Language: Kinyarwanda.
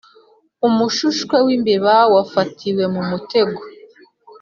Umushushwe wimbeba wafatiwe mumutego